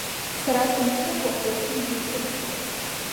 Сара сымԥсыкәа уаргьы егьусырхьуам.